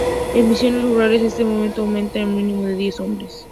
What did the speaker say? En misiones rurales, este número aumenta a un mínimo de diez hombres.